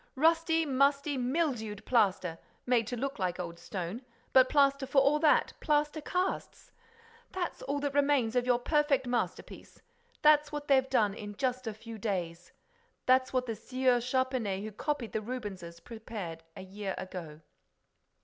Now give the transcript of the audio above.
Rusty, musty, mildewed plaster, made to look like old stone—but plaster for all that, plaster casts!—That's all that remains of your perfect masterpiece!—That's what they've done in just a few days! That's what the Sieur Charpenais who copied the Rubenses, prepared a year ago."